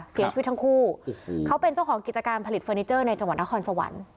เสียชีวิตทั้งคู่เขาเป็นเจ้าของกิจการผลิตเฟอร์นิเจอร์ในจังหวัดนครสวรรค์